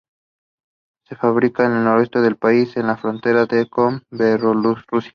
Se ubica en el noreste del país, en la frontera con Bielorrusia.